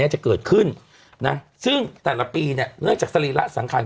จะเกิดขึ้นนะซึ่งแต่ละปีเนี่ยเนื่องจากสรีระสังขาร